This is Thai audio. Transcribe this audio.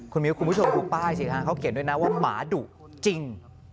คุณมิวคุณผู้ชมดูป้ายสิฮะเขาเขียนด้วยนะว่าหมาดุจริง